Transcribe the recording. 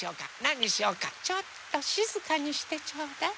ちょっとしずかにしてちょうだい。